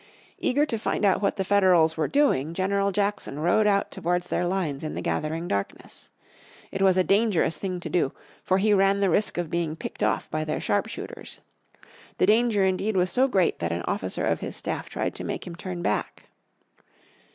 Eager to find out what the Federals were doing General Jackson rode out towards their lines in the gathering darkness. It was a dangerous thing to do, for he ran the risk of being picked off by their sharp shooters. The danger indeed was so great that an officer of his staff tried to make him turn back.